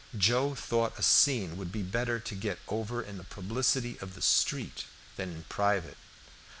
Joe thought a scene would be better to get over in the publicity of the street than in private.